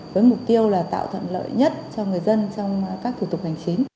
với mục tiêu là tạo thuận lợi nhất cho người dân trong các thủ tục hành chính